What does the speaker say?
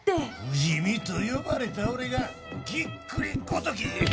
不死身と呼ばれた俺がぎっくりごとき。